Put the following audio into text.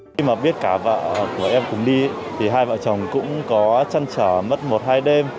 khi mà biết cả vợ của em cùng đi thì hai vợ chồng cũng có chăn trở mất một hai đêm